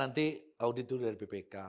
ada nanti auditur dari bpk